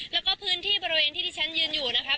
แล้วก็พื้นที่บริเวณที่ที่ฉันยืนอยู่นะครับ